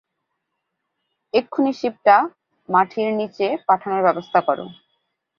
এক্ষুনি শিপটা মাঠির নিচে পাঠানোর ব্যবস্থা করো।